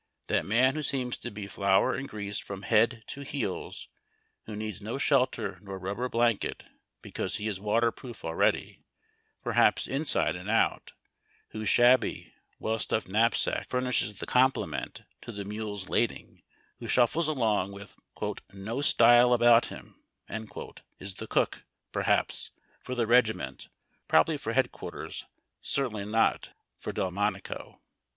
That man who seems to be flour and grease from head to heels, who needs no shelter nor rubber blanket because he is waterproof already, perhaps, inside and out, whose shabby, well stuffed knapsack furnishes the complement to the mule's lading, who shuffles along with no style about him," is the cook, perhaps, for the regiment, probably for headquarters, certainly not for Delmonico.